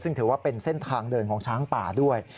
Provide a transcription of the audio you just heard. ซึ่งถือว่าเป็นเส้นทางเดินของช้างป่าด้วย